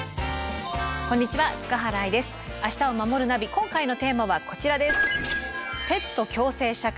今回のテーマはこちらです。